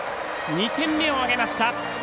２点目を挙げました。